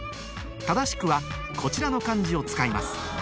正しくはこちらの漢字を使います